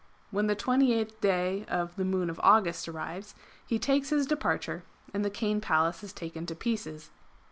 When the 28th day of [the Moon of] August arrives he takes his departure, and the Cane Palace is taken to pieces.